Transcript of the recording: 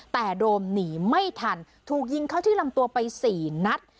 แต่โดมหนีไม่ทันถูกยิงเข้าที่ลำตัวไป๔นัด